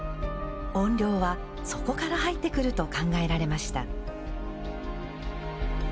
怨霊はそこから入ってくると考えられました。